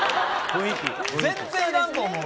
全然いらんと思う。